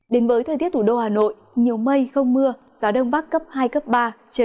đến với thời tiết thủ đô hà nội nhiều mây không mưa gió đông bắc cấp hai cấp ba trời rét nhiệt độ từ một mươi tám đến hai mươi bốn độ